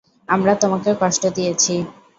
আমরা তোমাকে কষ্ট দিয়েছি।